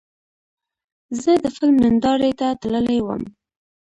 زه د فلم نندارې ته تللی وم.